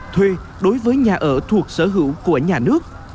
thuê đối với nhà ở thuộc sở hữu của nhà nước